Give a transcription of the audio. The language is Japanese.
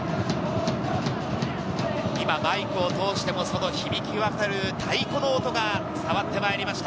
今、マイクを通しても響き渡る太鼓の音が伝わってまいりました。